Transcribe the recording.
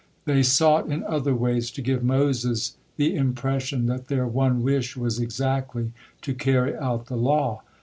They sought in other ways to give Moses the impression that their one wish was exactly to carry out the law.